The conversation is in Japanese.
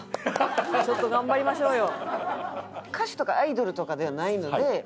ちょっと頑張りましょうよ！